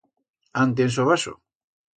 Án tiens o vaso?